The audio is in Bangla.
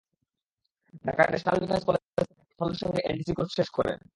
ঢাকার ন্যাশনাল ডিফেন্স কলেজ থেকে তিনি সাফল্যের সঙ্গে এনডিসি কোর্স শেষ করেন।